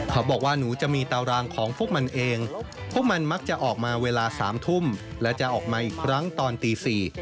เขาบอกว่าหนูจะมีตารางของพวกมันเองพวกมันมักจะออกมาเวลาสามทุ่มและจะออกมาอีกครั้งตอนตีสี่